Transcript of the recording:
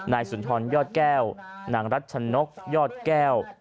นายสุนทรยอดแก้วนางรัชนกยอดแก้ว